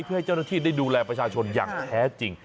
เพื่อให้เจ้าหน้าที่ได้ดูแลประชาชนอย่างแท้จริง